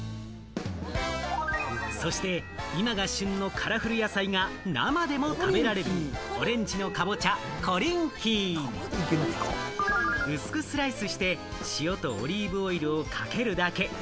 そして今が旬のカラフル野菜が生でも食べられるオレンジのかぼちゃ・コリンキー。薄くスライスして、塩とオリーブオイルをかけるだけ。